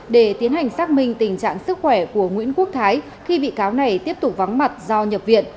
để tiến hành xác minh tình trạng sức khỏe của nguyễn quốc thái khi bị cáo này tiếp tục vắng mặt do nhập viện